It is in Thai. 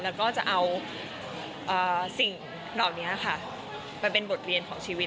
แล้วก็จะเอาสิ่งเหล่านี้ค่ะมาเป็นบทเรียนของชีวิต